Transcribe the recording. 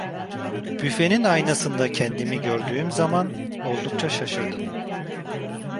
Büfenin aynasında kendimi gördüğüm zaman oldukça şaşırdım.